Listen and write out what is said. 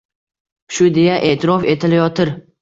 Shu deya e’tirof etilayotir.